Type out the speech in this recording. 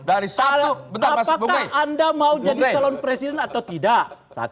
apakah anda mau jadi calon presiden atau tidak